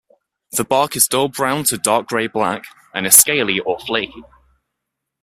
The bark is dull brown to dark gray-black, and is scaly or flaky.